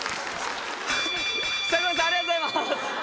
佐久間さんありがとうございます。